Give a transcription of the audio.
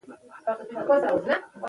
کبیر احمد خان پنجشېري را واستاوه.